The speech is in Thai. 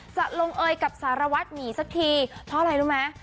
จะลงเอยกับสารวัตรหมีสักทีเพราะอะไรรู้ไหม